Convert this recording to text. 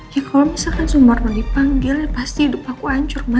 ya kalau misalkan sumarto dipanggil ya pasti hidup aku hancur ma